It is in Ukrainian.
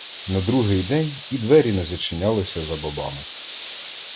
На другий день і двері не зачинялися за бабами.